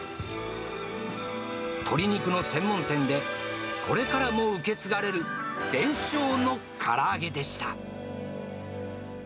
鶏肉の専門店で、これからも受け継がれる伝承のから揚げでした。